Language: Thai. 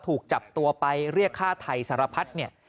ถูกจับตัวไปเรียกฆ่าไทยสารพัฒน์เนี่ย